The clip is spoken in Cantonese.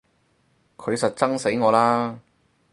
佢實憎死我啦！